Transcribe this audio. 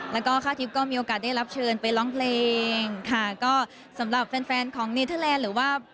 แล้วก็ค่าทิพย์ก็มีโอกาสได้รับเชิญไปร้องเพลงค่ะก็สำหรับแฟนแฟนของเนเทอร์แลนด์หรือว่า